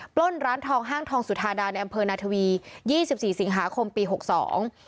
ปล้นร้านทองห้างทองสุธาดาในอำเภอนาทวียี่สิบสี่สิงหาคมปีหกสอง